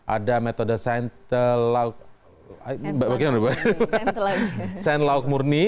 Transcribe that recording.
ada metode sentelauk murni